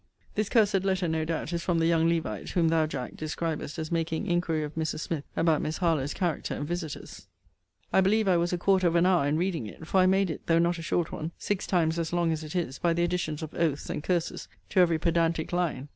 This cursed letter, no doubt, is from the young Levite, whom thou, Jack, describest as making inquiry of Mrs. Smith about Miss Harlowe's character and visiters.* * See Vol. VII. Letter LXXXI. I believe I was a quarter of an hour in reading it: for I made it, though not a short one, six times as long as it is, by the additions of oaths and curses to every pedantic line.